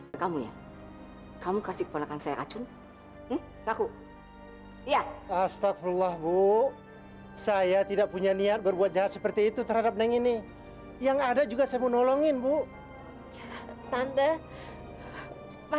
sampai jumpa di video selanjutnya